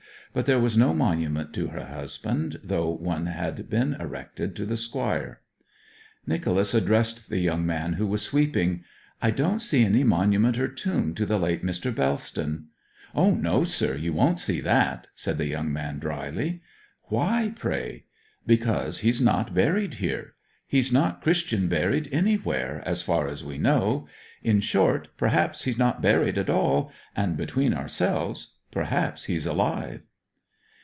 But there was no monument to her husband, though one had been erected to the Squire. Nicholas addressed the young man who was sweeping. 'I don't see any monument or tomb to the late Mr. Bellston?' 'O no, sir; you won't see that,' said the young man drily. 'Why, pray?' 'Because he's not buried here. He's not Christian buried anywhere, as far as we know. In short, perhaps he's not buried at all; and between ourselves, perhaps he's alive.'